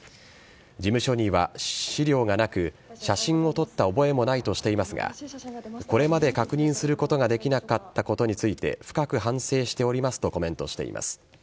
事務所には資料がなく写真を撮った覚えもないとしていますがこれまで確認することができなかったことについて深く反省しておりますとコメントしています。